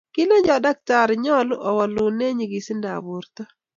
kilenchon daktari nyoluu owolune nyikisindab borto